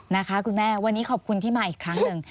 นะคะคุณแม่วันนี้ขอบคุณที่มาอีกครั้งหนึ่ง